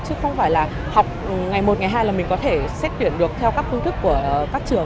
chứ không phải là học ngày một ngày hai là mình có thể xét tuyển được theo các phương thức của các trường